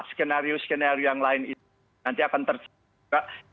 skenario skenario yang lain itu nanti akan tercapai juga